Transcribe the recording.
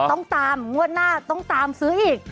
ต้องตามงวดหน้าต้องตามซื้ออีก